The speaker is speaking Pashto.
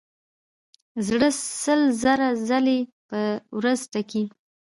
زړه سل زره ځلې په ورځ ټکي.